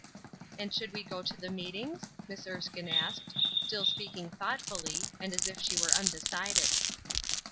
"And should we go to the meetings?" Miss Erskine asked, still speaking thoughtfully, and as if she were undecided.